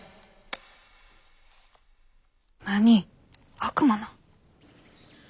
悪魔なん？